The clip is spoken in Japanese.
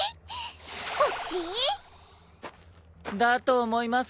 こっち？だと思いますけど。